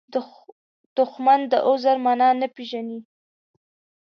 دښمن د عذر معنا نه پېژني